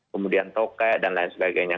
kemudian toke dan lain sebagainya